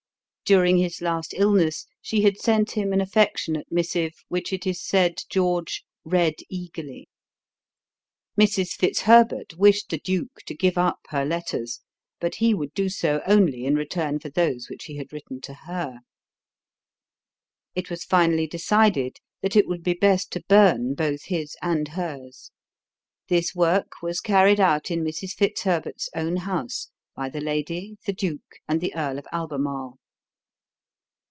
During his last illness she had sent him an affectionate missive which it is said George "read eagerly." Mrs. Fitzherbert wished the duke to give up her letters; but he would do so only in return for those which he had written to her. It was finally decided that it would be best to burn both his and hers. This work was carried out in Mrs. Fitzherbert's own house by the lady, the duke, and the Earl of Albemarle.